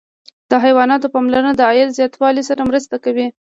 د حیواناتو پاملرنه د عاید زیاتوالي سره مرسته کوي.